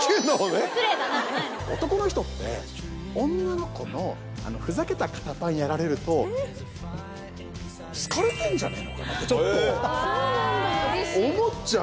男の人って女の子のふざけた肩パンやられると、好かれてるんじゃねえのかって、ちょっと思っちゃう。